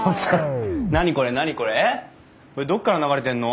これどっから流れてんの？